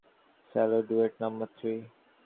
Cello duet number three?